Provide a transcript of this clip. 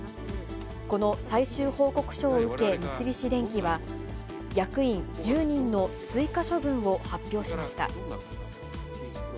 この最終報告書を受け、三菱電機は、役員１０人の追加処分を発表しました。